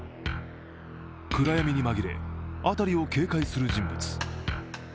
暗闇にまぎれ辺りを警戒する人物。